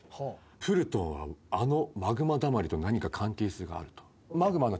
プルトンはあのマグマだまりと何か関係性があると。っていうんすよ。